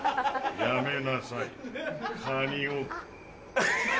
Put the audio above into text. やめなさいカニを。